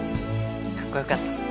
かっこよかった。